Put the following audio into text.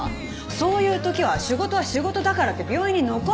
そういうときは仕事は仕事だからって病院に残るの！